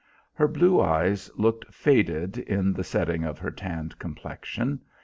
Her blue eyes looked faded in the setting of her tanned complexion.